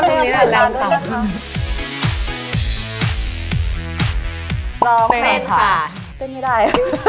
เต้นไม่ได้